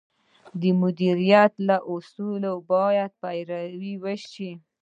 د مدیریت له اصولو باید پیروي وشي.